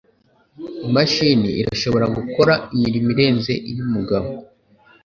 Imashini irashobora gukora imirimo irenze iy'umugabo.